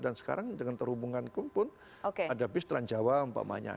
dan sekarang dengan terhubunganku pun ada bistran jawa empat pemannya